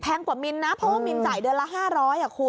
แพงกว่ามินนะเพราะดีใจเดือนละ๕๐๐บาทอะคุณ